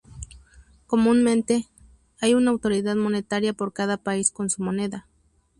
Comúnmente, hay una autoridad monetaria por cada país con su moneda.